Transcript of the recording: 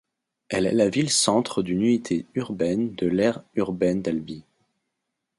Elle est la ville-centre d'une unité urbaine de l'aire urbaine d'Albi.